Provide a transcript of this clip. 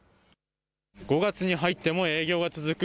５月に入っても営業が続く